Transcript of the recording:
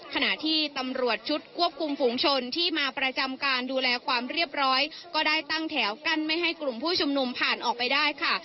ขณะที่ตำรวจชุดควบคุมฝูงชนที่มาประจำการดูแลความเรียบร้อยก็ได้ตั้งแถวกั้นไม่ให้กลุ่มผู้ชุมนุมผ่านออกไปได้ค่ะ